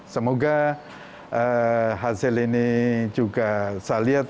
semoga hasil ini juga saya lihat